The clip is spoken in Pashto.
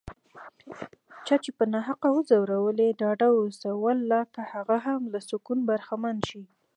چا چې ناحقه وځورولي، ډاډه اوسه والله که هغه هم له سکونه برخمن شي